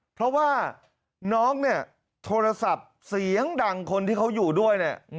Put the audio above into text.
เพราะว่าน้องเนี่ยโทรศัพท์เสียงดังคนที่เขาอยู่ด้วยเนี่ย